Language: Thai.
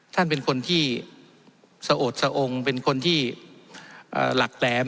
ท่านเป็นคนที่สะโอดสะองเป็นคนที่หลักแหลม